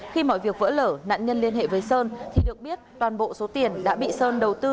khi mọi việc vỡ lở nạn nhân liên hệ với sơn thì được biết toàn bộ số tiền đã bị sơn đầu tư